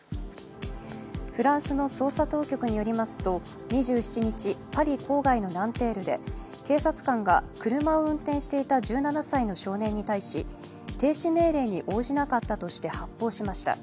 フランスの捜査当局によりますと２７日、パリ郊外のナンテールで警察官が車を運転していた１７歳の少年に対し、停止命令に応じなかったとして発砲しました。